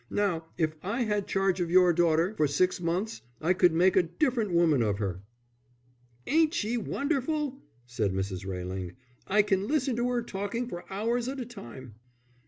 Now, if I had charge of your daughter for six months I could make a different woman of her." "Ain't she wonderful!" said Mrs. Railing. "I can listen to 'er talking for hours at a time."